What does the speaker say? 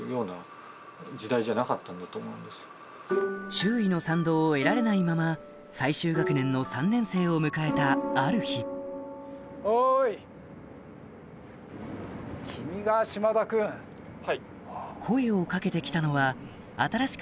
周囲の賛同を得られないまま最終学年の３年生を迎えたある日声を掛けて来たのは新しく